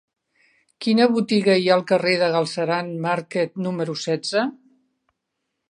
Quina botiga hi ha al carrer de Galceran Marquet número setze?